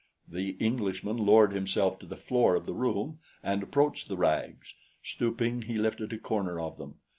The Englishman lowered himself to the floor of the room and approached the rags. Stooping he lifted a corner of them.